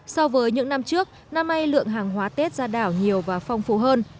so với những năm trước năm nay lượng hàng hóa tết ra đảo nhiều và phong phú hơn